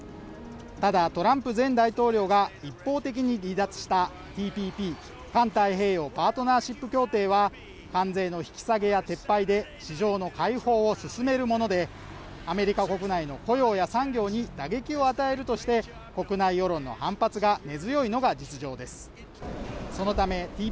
ただトランプ前大統領が一方的に離脱したＴＰＰ＝環太平洋パートナーシップ協定は関税の引き下げや撤廃で市場の開放を進めるものでアメリカ国内の雇用や産業に打撃を与えるとして国内世論の反発が根強いのが実情です